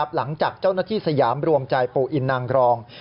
หลังจากเจ้าหน้าที่สยามรวมใจปู่อินนางรอง